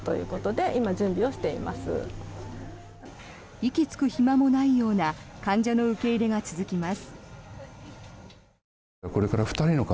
息つく暇もないような患者の受け入れが続きます。